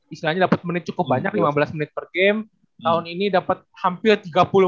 istilahnya dapat menit cukup banyak lima belas menit per game tahun ini dapat hampir tiga puluh menit